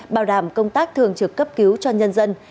bảo đảm công tác thường trực cấp cứu cho nhân dân